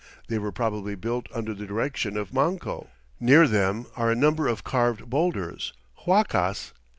They were probably built under the direction of Manco. Near them are a number of carved boulders, huacas.